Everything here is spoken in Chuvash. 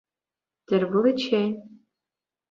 Тӗл пуличчен!